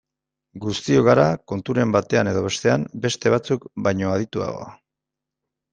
Guztiok gara konturen batean edo bestean beste batzuk baino adituago.